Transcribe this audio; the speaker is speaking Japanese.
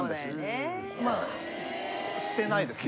まあ捨てないですね。